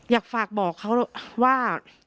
อยากฝากบอกเขาว่า